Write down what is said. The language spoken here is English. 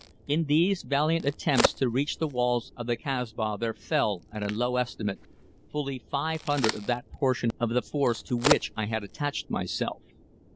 In these valiant attempts to reach the walls of the Kasbah there fell, at a low estimate, fully five hundred of that portion of the force to which I had attached myself.